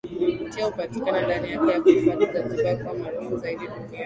Vivutio hupatikana ndani yake na kuifanya Zanzibar kuwa maarufu zaidi Duniani